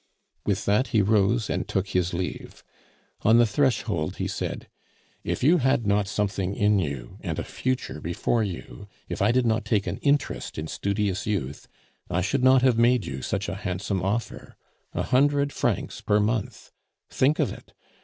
With that he rose and took his leave. On the threshold he said, "If you had not something in you, and a future before you; if I did not take an interest in studious youth, I should not have made you such a handsome offer. A hundred francs per month! Think of it!